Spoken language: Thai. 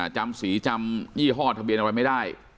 จำสีจำยี่ห้อทะเบียนอะไรไม่ได้